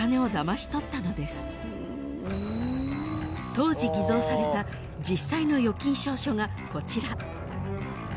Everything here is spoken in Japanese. ［当時偽造された実際の預金証書がこちら］